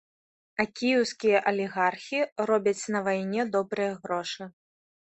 А кіеўскія алігархі робяць на вайне добрыя грошы.